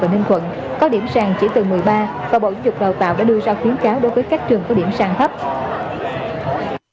và bộ giáo dục đào tạo đã đưa ra khuyến cáo đối với các trường có điểm sàn thấp